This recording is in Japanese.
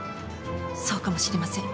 そうかもしれません。